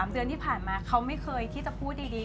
๓เดือนที่ผ่านมาเขาไม่เคยที่จะพูดดี